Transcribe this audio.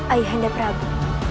ayah anda prabu